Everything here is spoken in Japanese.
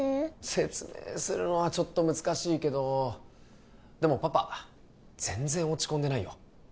説明するのはちょっと難しいけどでもパパ全然落ち込んでないよ